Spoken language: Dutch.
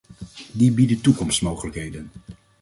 Die bieden toekomstmogelijkheden.